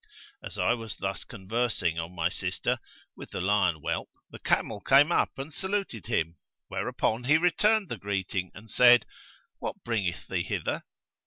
As I was thus conversing, O my sister, with the lion whelp, the camel came up and saluted him; whereupon he returned the greeting and said, 'What bringeth thee hither?'